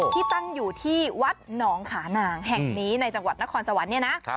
ที่ตั้งอยู่ที่วัดหนองขานางแห่งนี้ในจังหวัดนครสวรรค์เนี่ยนะ